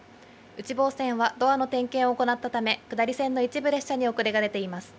内房線はドアの点検を行ったため、下り線の一部列車に遅れが出ています。